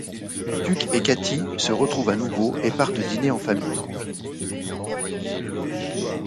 Tuck et Katie se retrouvent à nouveau et partent dîner en famille.